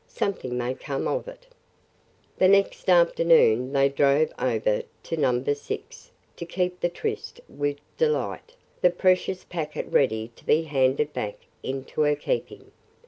Something may come of it!" The next afternoon they drove over to Number Six to keep the tryst with Delight, the precious packet ready to be handed back into her keeping.